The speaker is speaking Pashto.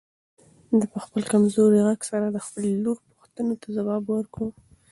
ده په خپل کمزوري غږ سره د خپلې لور پوښتنو ته ځواب ورکاوه.